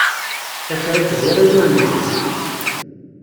Takriṭ d iɣil ur neǧhid.